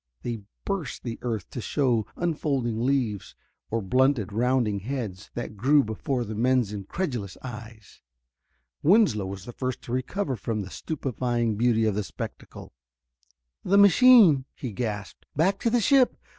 They burst the earth to show unfolding leaves or blunted, rounding heads, that grew before the men's incredulous eyes. Winslow was the first to recover from the stupefying beauty of the spectacle. "The machine!" he gasped. "Back to the ship!